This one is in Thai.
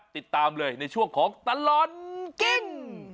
ติดตามเลยในช่วงของตลอดกิน